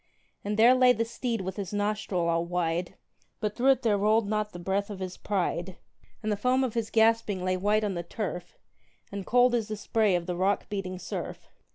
And there lay the steed with his nostril all wide, But through it there rolled not the breath of his pride: And the foam of his gasping lay white on the turf, And cold as the spray of the rock beating surf.